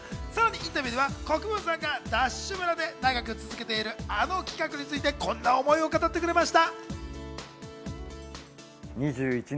インタビューでは国分さんがＤＡＳＨ村で長く続けているあの企画についてこんな思いを語ってくれました。